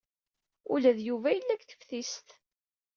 Ula d Yuba yella deg teftist.